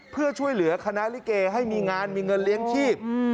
เพื่อช่วยเหลือคณะลิเกให้มีงานมีเงินเลี้ยงชีพ